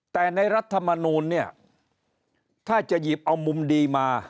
แต่ในรัฐมนูลเนี่ยถ้าจะหยิบเอามุมดีมา